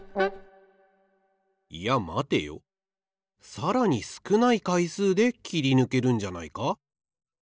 さらにすくないかいすうで切りぬけるんじゃないか？